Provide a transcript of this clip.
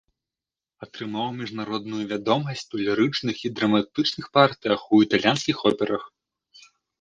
Атрымаў міжнародную вядомасць у лірычных і драматычных партыях у італьянскіх операх.